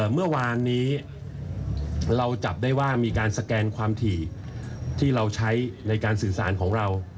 เมื่อวานนี้เราจับได้ว่ามีการสแกนความถี่ที่เราใช้ในการสื่อสารของเรา